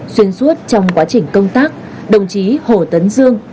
xuyên suốt trong quá trình công tác đồng chí hồ tấn dương